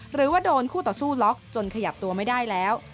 หรือว่าโดนคู่ต่อสู้ล็อกจนขยับตัวไม่ได้แล้ว